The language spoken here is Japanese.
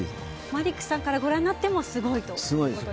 マリックさんからご覧になってもすごいですよ。